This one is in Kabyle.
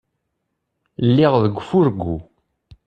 Lliɣ deg ufurgu.